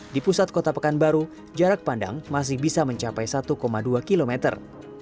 di pusat kota pekanbaru jarak pandang masih bisa mencapai satu dua kilometer